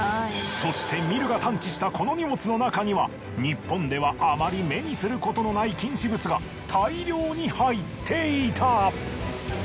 そしてミルが探知したこの荷物の中には日本ではあまり目にすることのない禁止物が大量に入っていた！